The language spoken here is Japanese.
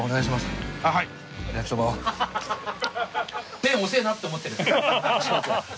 麺遅えなって思ってる。